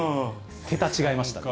桁違いましたね。